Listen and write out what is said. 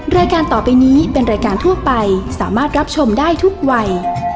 รายการต่อไปนี้เป็นรายการทั่วไปสามารถรับชมได้ทุกวัย